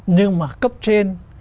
nhưng mà cấp trên